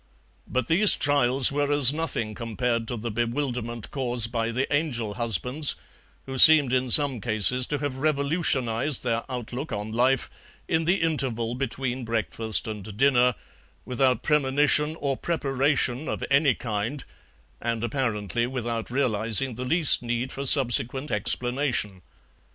But these trials were as nothing compared to the bewilderment caused by the Angel husbands who seemed in some cases to have revolutionized their outlook on life in the interval between breakfast and dinner, without premonition or preparation of any kind, and apparently without realizing the least need for subsequent explanation.